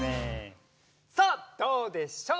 さあどうでしょう？